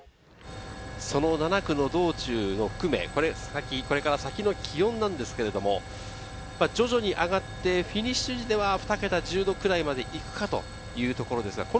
７区の道中も含め、これから先の気温ですが、徐々に上がって、フィニッシュ時では２桁、１０度くらいまでいくかというところです。